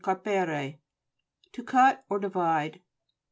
carpere, to cut or divide.